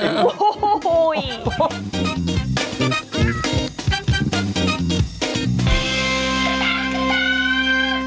โอ้โแลแล้ว